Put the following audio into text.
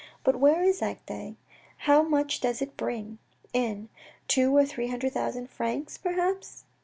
" But where is Agde ? How much does it bring in ? Two or three hundred thousand francs, perhaps."